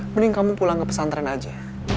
mending kamu pulang ke pesantren aja